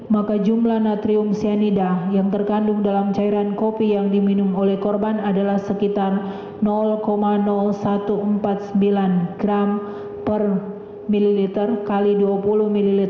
maka jumlah natrium cyanida yang terkandung dalam cairan kopi yang diminum oleh korban adalah sekitar satu ratus empat puluh sembilan gram per ml x dua puluh ml